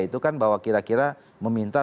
itu kan bahwa kira kira meminta